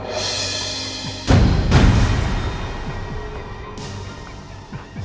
apakah ibu lydia bisa menangani baskoro